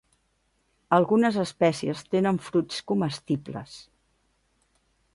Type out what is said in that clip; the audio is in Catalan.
Algunes espècies tenen fruits comestibles.